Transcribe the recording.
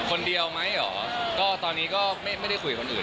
คนเดียวไหมเหรอก็ตอนนี้ก็ไม่ได้คุยคนอื่น